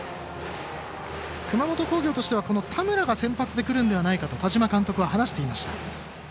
熊本工業としては田村が先発でくるのではないかと田島監督は話していました。